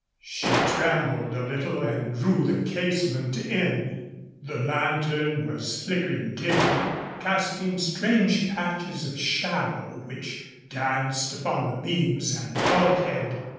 She trembled a little and drew the casement in. The lantern was flickering dimly, casting strange patches of shadow, which danced upon the beams and bulkhead.